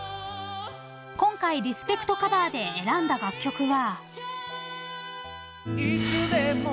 ［今回「リスペクト！！カバー」で選んだ楽曲は］